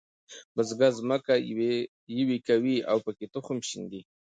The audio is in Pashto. بزګر ځمکه یوي کوي او پکې تخم شیندي.